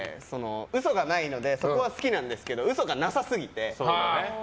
嘘がないのでそこは好きなんですけど嘘がなさすぎて。